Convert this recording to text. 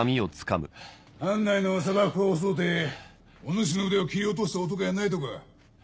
藩内の佐幕派襲うてお主の腕を斬り落とした男やないとか？